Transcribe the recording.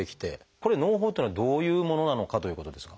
これのう胞っていうのはどういうものなのかということですが。